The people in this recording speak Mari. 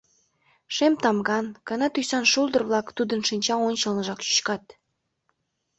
Шем тамган, кына тӱсан шулдыр-влак тудын шинча ончылныжак чӱчкат.